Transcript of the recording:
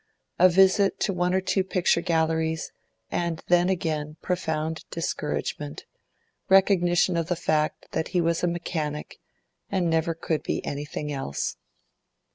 A visit to one or two picture galleries, and then again profound discouragement, recognition of the fact that he was a mechanic and never could be anything else.